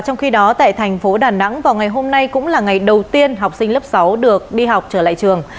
trong khi đó tại thành phố đà nẵng vào ngày hôm nay cũng là ngày đầu tiên học sinh lớp sáu được đi học trở lại trường